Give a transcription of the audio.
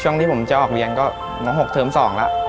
ช่วงที่ผมจะออกเรียนก็แหงหน้า๖เทิม๒ละ